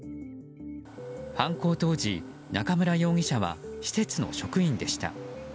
犯行当時、中村容疑者は施設の職員でした。